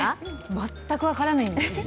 全く分からないんですけれど。